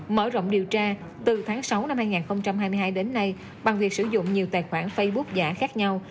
mở rộng điều tra từ tháng sáu năm hai nghìn hai mươi hai đến nay bằng việc sử dụng nhiều tài khoản facebook giả khác nhau